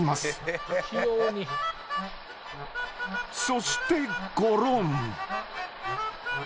そしてゴロン。